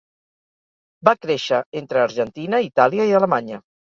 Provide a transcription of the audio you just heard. Va créixer entre Argentina, Itàlia i Alemanya.